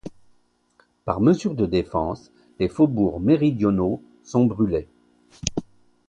Par mesure de défense, les faubourgs méridionaux sont brulés.